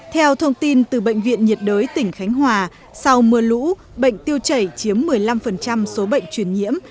theo thông tin từ bệnh viện nhiệt đới tỉnh khánh hòa sau mưa lũ bệnh tiêu chảy chiếm một mươi năm số bệnh truyền nhiễm